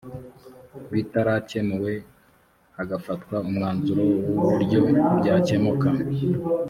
bitarakemuwe hagafatwa umwanzuro w uburyo byakemurwa